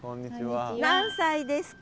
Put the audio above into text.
何歳ですか？